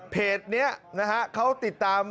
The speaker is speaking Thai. เพจนี้นะฮะเขาติดตาม